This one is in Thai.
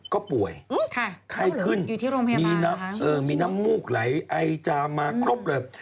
ก็ป่วยไข้ขึ้นมีน้ำมูกไหลไอจามมาครบเลย